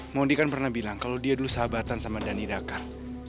mondi kan pernah bilang kalau dia dulu sahabatan sama dhani dakar